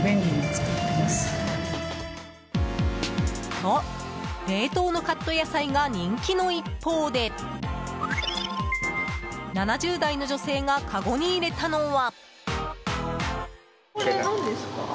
と、冷凍のカット野菜が人気の一方で７０代の女性がかごに入れたのは。